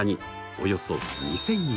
およそ２，０００円！